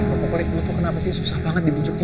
eh kropokolit lu tuh kenapa sih susah banget dibujuknya